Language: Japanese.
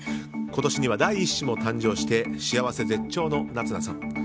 今年には第１子も誕生して幸せ絶頂の夏菜さん。